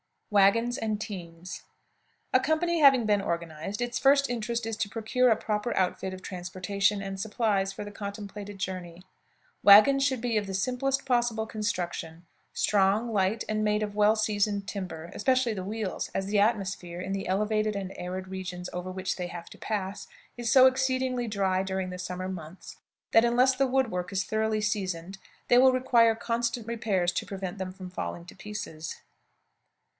WAGONS AND TEAMS. A company having been organized, its first interest is to procure a proper outfit of transportation and supplies for the contemplated journey. Wagons should be of the simplest possible construction strong, light, and made of well seasoned timber, especially the wheels, as the atmosphere, in the elevated and arid region over which they have to pass, is so exceedingly dry during the summer months that, unless the wood work is thoroughly seasoned, they will require constant repairs to prevent them from falling to pieces.